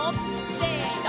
せの！